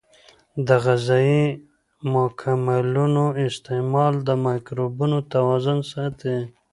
د غذایي مکملونو استعمال د مایکروبونو توازن ساتي.